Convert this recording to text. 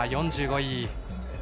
４５位。